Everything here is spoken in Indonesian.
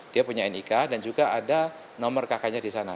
dia punya nik dan juga ada nomor kakaknya di sana